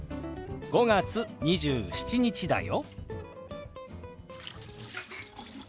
「５月２７日だよ」。